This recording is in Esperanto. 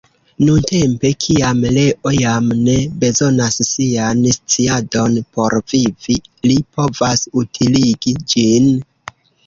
Nuntempe, kiam Leo jam ne bezonas sian sciadon por vivi, li povas utiligi ĝin.